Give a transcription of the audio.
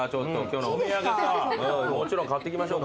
もちろん買っていきましょう。